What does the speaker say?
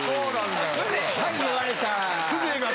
はい言われた。